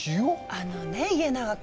あのね家長君。